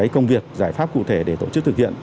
năm mươi bảy công việc giải pháp cụ thể để tổ chức thực hiện